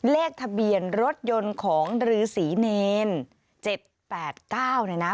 เลขทะเบียนรถยนต์ของรือสีเนนเจ็ดแปดเก้านะนะ